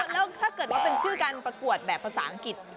แล้วถ้าเกิดว่าเป็นชื่อการประกวดแบบภาษาอังกฤษ